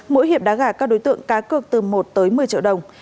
mỗi hiệp đá gà các đối tượng cá cược từ một tới một mươi triệu đồng